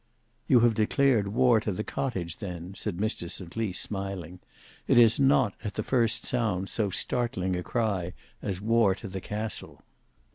"You have declared war to the cottage, then," said Mr St Lys, smiling. "It is not at the first sound so startling a cry as war to the castle."